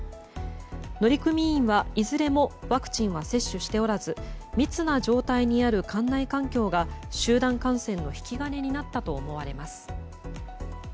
乗組員はいずれもワクチンは接種しておらず密な状態にある艦内環境が集団感染の引き金になったと思われます。